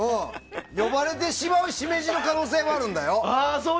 呼ばれてしまうシメジの可能性もあるんだよ。